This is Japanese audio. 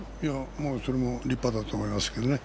それも立派だと思いますけどね。